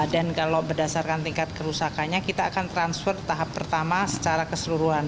dan kalau berdasarkan tingkat kerusakannya kita akan transfer tahap pertama secara keseluruhan